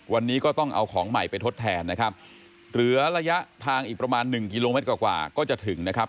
วันนี้ก็ต้องเอาของใหม่ไปทดแทนนะครับเหลือระยะทางอีกประมาณหนึ่งกิโลเมตรกว่ากว่าก็จะถึงนะครับ